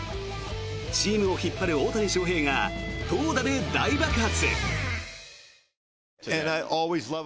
チームを引っ張る大谷翔平が投打で大爆発。